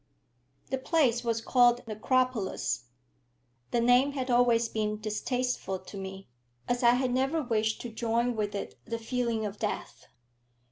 The place was called Necropolis. The name had always been distasteful to me, as I had never wished to join with it the feeling of death.